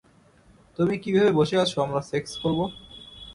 তুমি কি ভেবে বসে আছো আমরা সেক্স করব?